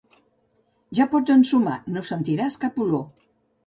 Ja pots ensumar: no sentiràs cap olor.